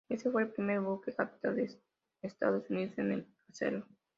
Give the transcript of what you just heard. Este fue el primer buque capital de Estados Unidos en hacerlo.